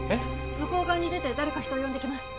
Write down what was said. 向こう側に出て誰か人を呼んできます